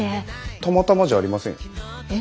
たまたまじゃありませんよ。えっ？